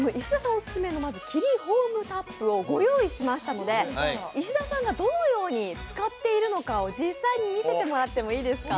オススメのキリンホームタップをご用意しましたので、石田さんがどのように使っているかを実際見せていただいていいですか？